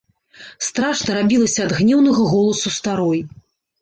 Страшна рабілася ад гнеўнага голасу старой.